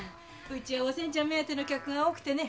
うちはおせんちゃん目当ての客が多くてね。